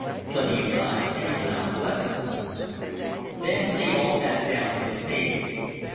"Plenty of time for any amount of blessings." Then they all sat down to the table.